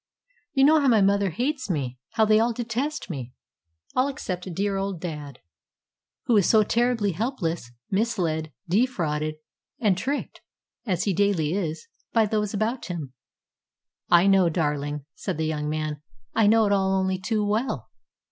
"You know how my mother hates me, how they all detest me all except dear old dad, who is so terribly helpless, misled, defrauded, and tricked as he daily is by those about him." "I know, darling," said the young man. "I know it all only too well.